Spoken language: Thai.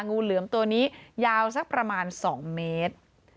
งูเหลือมตัวนี้ยาวสักประมาณ๒เมตร